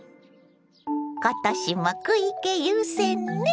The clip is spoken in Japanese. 今年も食い気優先ね。